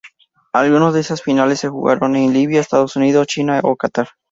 Algunas de esas finales se jugaron en Libia, Estados Unidos, China o Catar.